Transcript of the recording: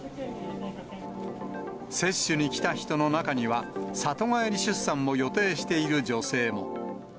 接種に来た人の中には、里帰り出産を予定している女性も。